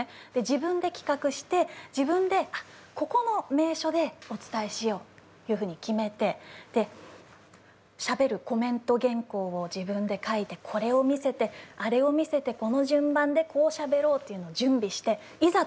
自分で企画して自分でここの名所でお伝えしようというふうに決めてでしゃべるコメント原稿を自分で書いてこれを見せてあれを見せてこの順番でこうしゃべろうっていうのを準備していざ